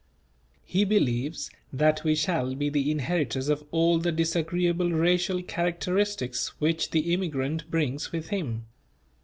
He believes that we shall be the inheritors of all the disagreeable racial characteristics which the immigrant brings with him.